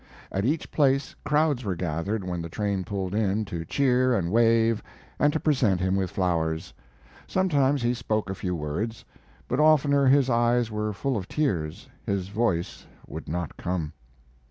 At each place crowds were gathered when the train pulled in, to cheer and wave and to present him with flowers. Sometimes he spoke a few words; but oftener his eyes were full of tears his voice would not come.